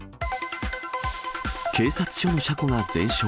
警察署の車庫が全焼。